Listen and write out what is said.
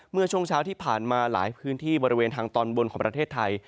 เมื่อช่วงเช้าที่ผ่านมาหลายพื้นที่บริเวณทางตอนบนของประเทศไทย